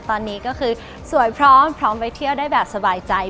ตอนนี้ก็คือสวยพร้อมพร้อมไปเที่ยวได้แบบสบายใจ